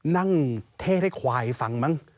นั่งเท่ให้ควายฟังมั้ง